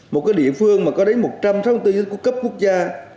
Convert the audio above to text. một địa phương có một trăm sáu mươi bốn dân cấp quốc gia